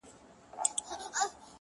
لکه پاڼه د خزان باد به مي یوسي،